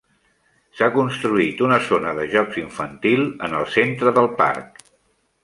S'ha construït una zona de jocs infantil en el centre del parc.